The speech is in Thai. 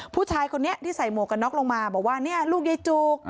ผู้ชายคนนี้ที่ใส่หมวกกันน็อกลงมาบอกว่าเนี่ยลูกยายจูก